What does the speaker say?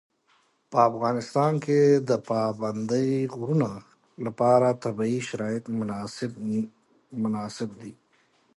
په افغانستان کې د پابندی غرونه لپاره طبیعي شرایط مناسب دي.